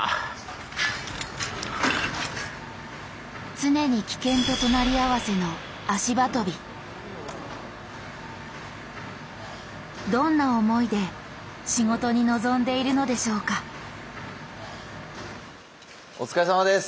常に危険と隣り合わせのどんな思いで仕事に臨んでいるのでしょうかお疲れさまです！